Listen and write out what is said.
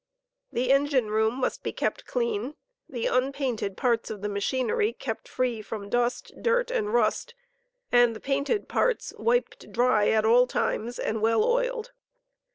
^leaQiineea'Tho engine room must bo kept clean, the uupainted parts of the machinery kept free from dust, dirt, and rust, and the painted parts wiped dry *at all times and well oiled.